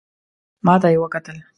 ماته یې وکتل .